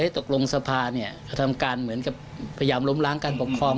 ตกลงสภากระทำการเหมือนกับพยายามล้มล้างการปกครอง